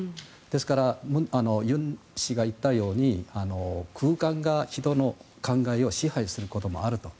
ですから、尹氏が言ったように空間が人の考えを支配することもあると。